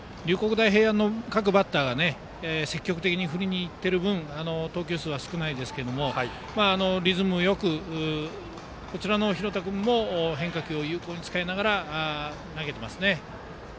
大平安の各バッターが積極的に振りにいっている分投球数は少ないですがリズムよく、こちらの廣田君も変化球を有効に使いながら投げていますね。